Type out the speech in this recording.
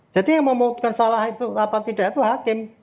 jadi yang memutuskan salah itu atau tidak itu hakim